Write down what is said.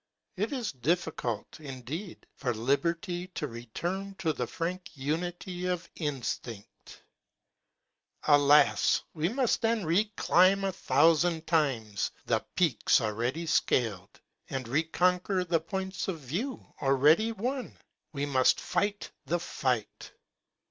It is difficult, indeed, for liberty to retvrn to the frank unity of instinct. Alas! we must then re climb a thousand times the peaks already scaled, and recon quer the points of view already won, — we must fight the fight!